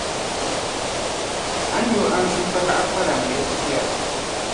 a ni yo anzinfa laɣ’ kpalambihi pia.